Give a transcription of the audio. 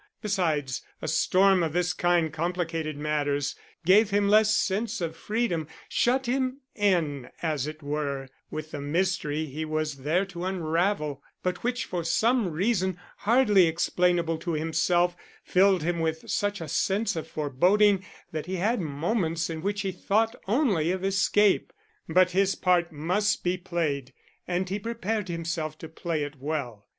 Besides, a storm of this kind complicated matters; gave him less sense of freedom, shut him in, as it were, with the mystery he was there to unravel, but which for some reason, hardly explainable to himself, filled him with such a sense of foreboding that he had moments in which he thought only of escape. But his part must be played and he prepared himself to play it well.